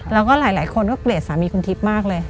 แล้วก็หลายคนก็เกลียดสามีคุณทิพย์มากเลย